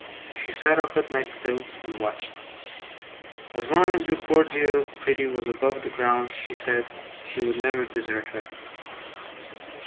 She sat up at night still, and watched. As long as her poor dear pretty was above the ground, she said, she would never desert her.